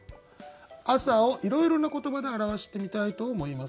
「朝」をいろいろな言葉で表してみたいと思います。